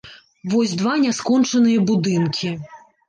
Вось два няскончаныя будынкі.